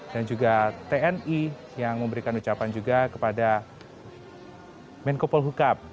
dan juga tni yang memberikan ucapan juga kepada menko pohukam